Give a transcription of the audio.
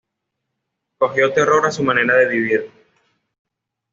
Cogió terror a su manera de vivir.